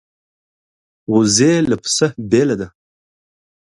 وزې له پسه بېله ده